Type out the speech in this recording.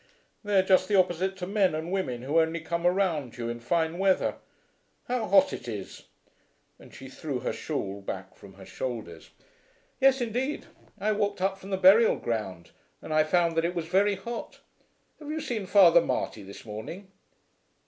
"They are just the opposite to men and women who only come around you in fine weather. How hot it is!" and she threw her shawl back from her shoulders. "Yes, indeed. I walked up from the burial ground and I found that it was very hot. Have you seen Father Marty this morning?"